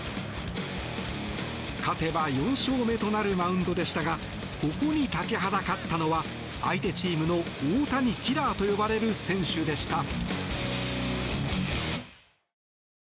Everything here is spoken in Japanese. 勝てば４勝目となるマウンドでしたがここに立ちはだかったのは相手チームの大谷キラーと呼ばれる選手でした。